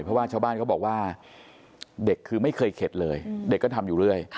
เพราะว่าชาวบ้านเขาบอกว่าเด็กคือไม่เคยเข็ดเลยเด็กก็ทำอยู่เรื่อย